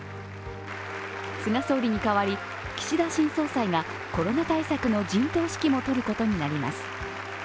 菅総理に代わり、岸田新総裁がコロナ対策の陣頭指揮もとることになります。